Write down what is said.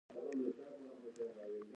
د انځر ګل د څه لپاره وکاروم؟